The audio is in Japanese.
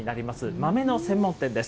豆の専門店です。